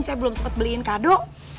saya belum sempat beliin kado